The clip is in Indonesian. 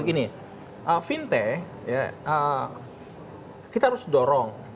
gini fintech kita harus dorong